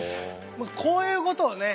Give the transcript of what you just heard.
こういうことをね